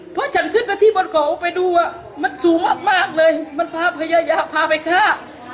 พอฉันขึ้นไปที่บนโขวไปดูอะมันสูงมากเลยมันพาไพรยะพ้าไปฆ่า